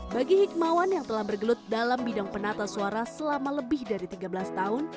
bagi hikmawan yang telah bergelut dalam bidang penata suara selama lebih dari tiga belas tahun